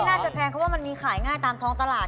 น่าจะแพงเพราะว่ามันมีขายง่ายตามท้องตลาด